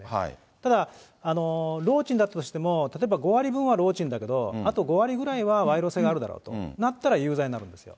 ただ労賃だとしても、例えば５割分は労賃だけど、あと５割ぐらいは賄賂性があるだろうとなったら、有罪になるんですよ。